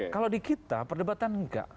kalau di kita perdebatan enggak